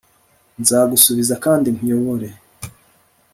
nzagusubiza kandi nkuyobore.